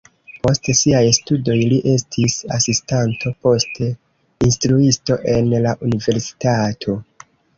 Post siaj studoj li estis asistanto, poste instruisto en la universitato.